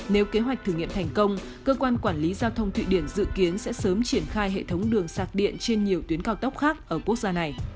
nếu kế hoạch thử nghiệm thành công cơ quan quản lý giao thông thụy điển dự kiến sẽ sớm triển khai hệ thống đường sạc điện trên nhiều tuyến cao tốc khác ở quốc gia này